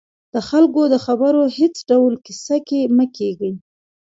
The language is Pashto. د خلکو د خبرو هېڅ ډول کیسه کې مه کېږئ